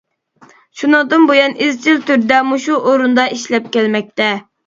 شۇنىڭدىن بۇيان ئىزچىل تۈردە مۇشۇ ئورۇندا ئىشلەپ كەلمەكتە.